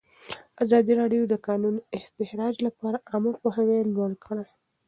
ازادي راډیو د د کانونو استخراج لپاره عامه پوهاوي لوړ کړی.